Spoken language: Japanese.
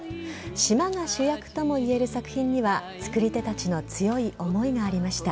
島が主役ともいえる作品には作り手たちの強い思いがありました。